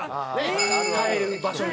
帰る場所に。